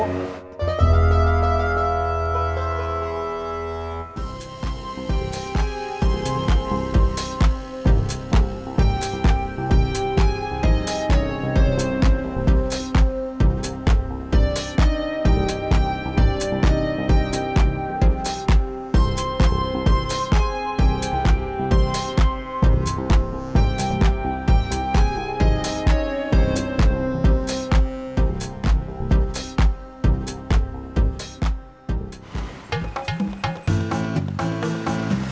ya udah aku mau pake